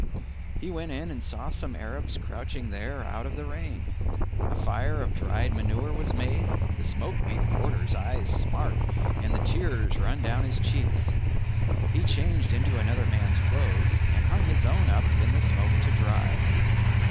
He went in and saw some Arabs crouching there out of the rain. A fire of dried manure was made; the smoke made Forder's eyes smart and the tears run down his cheeks. He changed into another man's clothes, and hung his own up in the smoke to dry.